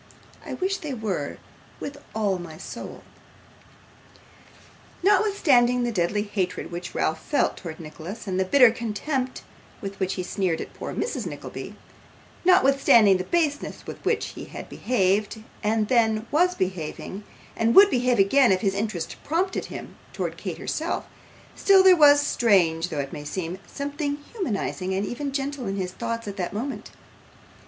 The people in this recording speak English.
I wish they were, with all my soul.' Notwithstanding the deadly hatred which Ralph felt towards Nicholas, and the bitter contempt with which he sneered at poor Mrs Nickleby notwithstanding the baseness with which he had behaved, and was then behaving, and would behave again if his interest prompted him, towards Kate herself still there was, strange though it may seem, something humanising and even gentle in his thoughts at that moment.